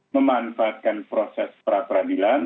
memanfaatkan proses peradilan